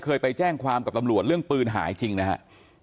ไปแจ้งความกับตำรวจเรื่องปืนหายจริงนะครับ